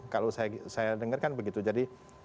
kalau saya dengar kan begitu jadi